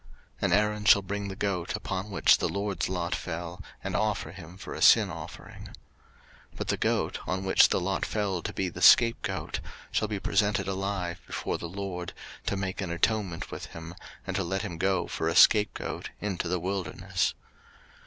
03:016:009 And Aaron shall bring the goat upon which the LORD's lot fell, and offer him for a sin offering. 03:016:010 But the goat, on which the lot fell to be the scapegoat, shall be presented alive before the LORD, to make an atonement with him, and to let him go for a scapegoat into the wilderness.